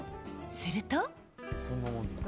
すると。